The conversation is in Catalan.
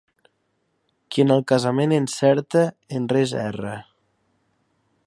Qui en el casament encerta, en res erra.